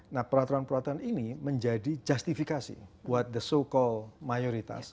nah peraturan peraturan ini menjadi justifikasi buat the so call mayoritas